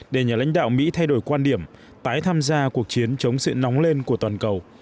để nhà lãnh đạo mỹ thay đổi quan điểm tái tham gia cuộc chiến chống sự nóng lên của toàn cầu